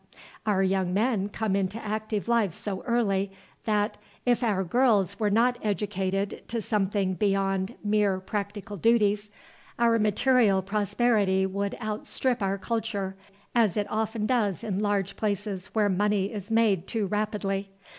Our young men come into active life so early, that, if our girls were not educated to something beyond mere practical duties, our material prosperity would outstrip our culture; as it often does in large places where money is made too rapidly.